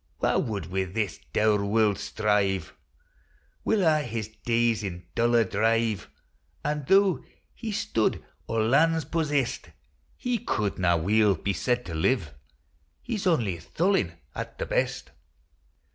Wha would wi' this dour warld strive Will a' his days in dolour drive, An', tho' he stood o' lands possest, He couldna weel be said to live, He 's only tholin at the best.